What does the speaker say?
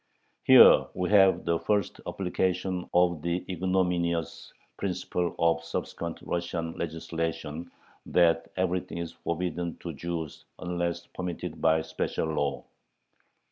Here we have the first application of the ignominious principle of subsequent Russian legislation, that everything is forbidden to Jews unless permitted by special law.